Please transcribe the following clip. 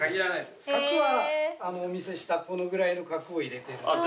核はお見せしたこのぐらいの核を入れてるので。